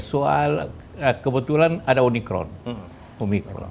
soal kebetulan ada unikron